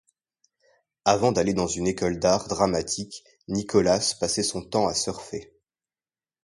Avant d'aller dans une école d'art dramatique, Nicholas passait son temps à surfer.